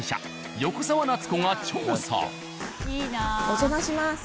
お邪魔します。